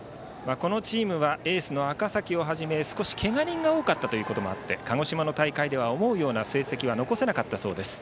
このチームはエースの赤嵜をはじめ、少しけが人が多かったこともあって鹿児島の大会では思うような成績は残せなかったそうです。